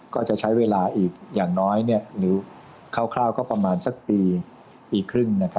ก็จะใช้เวลาอีกอย่างน้อยหรือคร่าวก็ประมาณสักปีครึ่ง